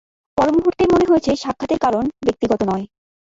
পরমুহূর্তেই মনে হয়েছে সাক্ষাতের কারণ ব্যক্তিগত নয়।